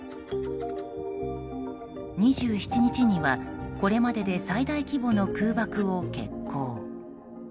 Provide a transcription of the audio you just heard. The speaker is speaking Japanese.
２７日には、これまでで最大規模の空爆を決行。